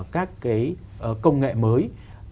các cái công nghệ mới